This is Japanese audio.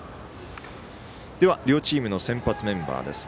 両チームの先発メンバーです